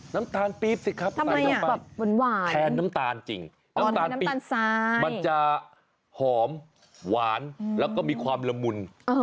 น้ำตาลปลิ๊บใช่มึงแทนน้ำตาลแทนน้ำตาลจะหอมหวานและมีความละมุน